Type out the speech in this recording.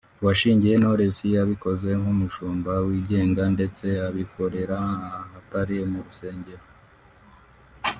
uwashyingiye Knowless yabikoze nk’umushumba wigenga ndetse abikorera ahatari mu rusengero